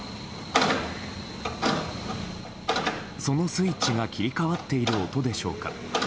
そのスイッチが切り替わっている音でしょうか。